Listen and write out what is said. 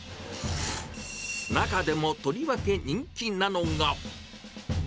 中でもとりわけ人気なのが。